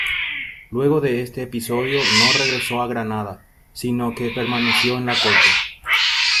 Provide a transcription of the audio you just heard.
Luego de este episodio no regresó a Granada, sino que permaneció en la Corte.